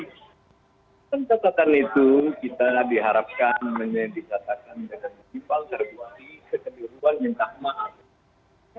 pak charlie pencatatan itu kita diharapkan menjadi catatan dengan kualitas terbuati kekenuhan minta maaf